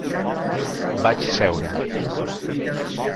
Vaig seure.